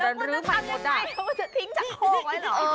แล้วมันจะทำยังไงมันจะทิ้งชะโครกไว้เหรอ